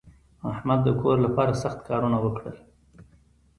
احمد د کور لپاره سخت کارونه وکړل.